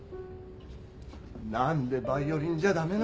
何でバイオリンじゃダメなんだ？